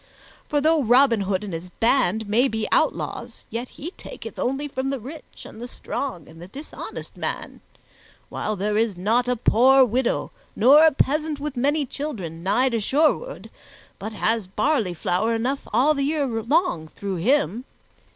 For, though Robin Hood and his band may be outlaws, yet he taketh only from the rich and the strong and the dishonest man, while there is not a poor widow nor a peasant with many children, nigh to Sherwood, but has barley flour enough all the year long through him.